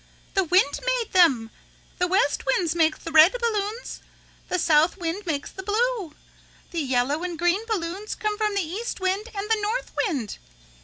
The wind made them. The west wind makes the red balloons. The south wind makes the blue. The yellow and green balloons come from the east wind and the north wind."